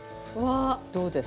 どうですか？